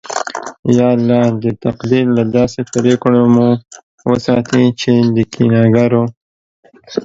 یا الله! د تقدیر له داسې پرېکړو مو وساتې چې د کینه گرو